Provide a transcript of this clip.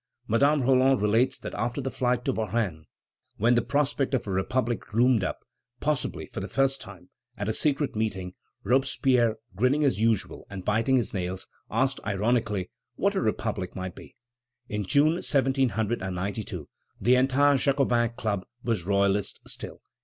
Madame Roland relates that after the flight to Varennes, when the prospect of a republic loomed up, possibly for the first time, at a secret meeting, Robespierre, grinning as usual, and biting his nails, asked ironically what a republic might be. In June, 1792, the entire Jacobin Club was royalist still.